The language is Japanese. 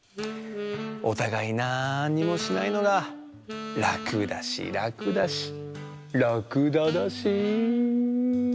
おたがいなんにもしないのがらくだしらくだしらくだだし。